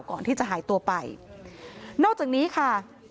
นอกจากนี้ค่ะ